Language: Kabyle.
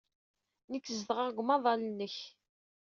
Nekk zedɣeɣ deg umaḍal-nnek.